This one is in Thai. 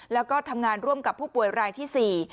แล้วก็ทำงานร่วมกับผู้ป่วยรายที่๔